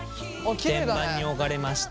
天板に置かれました。